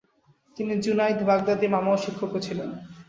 তিনি জুনাইদ বাগদাদীর মামা ও শিক্ষকও ছিলেন।